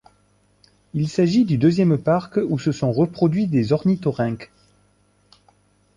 Il s'agit du deuxième parc où se sont reproduit des ornithorynques.